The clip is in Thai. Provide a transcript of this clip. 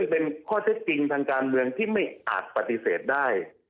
เป็นข้อเท็จจริงทางการเมืองที่ไม่อาจปฏิเสธได้